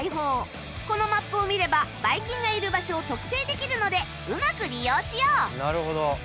このマップを見ればバイキンがいる場所を特定できるのでうまく利用しよう